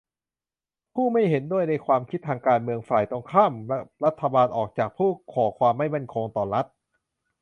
ผู้ไม่เห็นด้วยในความคิดทางการเมือง ฝ่ายตรงข้ามกับรัฐบาล ออกจาก ผู้ก่อความไม่มั่นคงต่อรัฐ